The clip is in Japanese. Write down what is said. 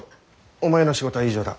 お前の仕事は以上だ。